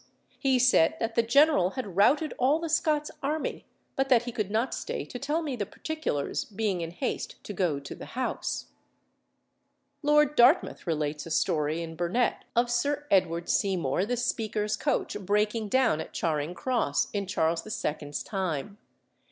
He said that the General had routed all the Scots army, but that he could not stay to tell me the particulars, being in haste to go to the House." Lord Dartmouth relates a story in Burnet of Sir Edward Seymour the Speaker's coach breaking down at Charing Cross, in Charles II.'s time.